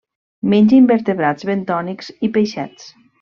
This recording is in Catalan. Menja invertebrats bentònics i peixets.